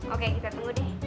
oke kita tunggu deh